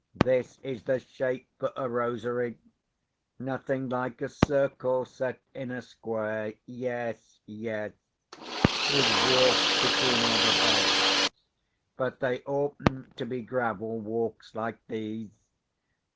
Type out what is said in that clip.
"This is the shape for a rosery—nothing like a circle set in a square. Yes, yes; with walks between all the beds. But they oughtn't to be gravel walks like these.